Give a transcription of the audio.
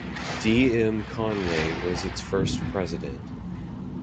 D. M. Conway was its first president.